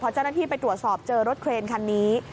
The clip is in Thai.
เจ้าหน้าที่ไปตรวจสอบเจอรถเครนคันนี้